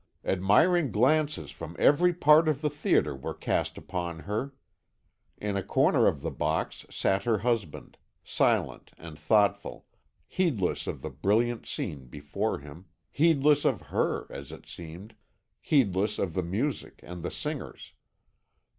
Admiring glances from every part of the theatre were cast upon her. In a corner of the box sat her husband, silent and thoughtful, heedless of the brilliant scene before him, heedless of her, as it seemed, heedless of the music and the singers.